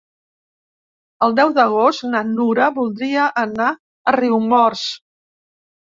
El deu d'agost na Nura voldria anar a Riumors.